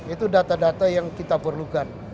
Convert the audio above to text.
itu data data yang kita perlukan